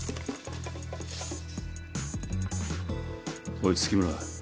おい月村。